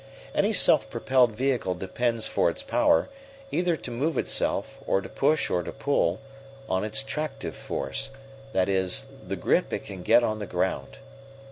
Any self propelled vehicle depends for its power, either to move itself or to push or to pull, on its tractive force that is, the grip it can get on the ground.